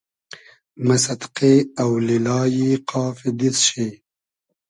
مۂ سئدقې اۆلیلای قافی دیست شی